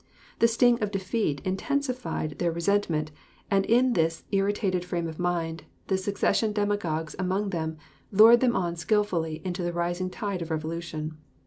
The sting of defeat intensified their resentment, and in this irritated frame of mind the secession demagogues among them lured them on skillfully into the rising tide of revolution.